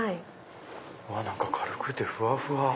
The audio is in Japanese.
うわ何か軽くてふわふわ！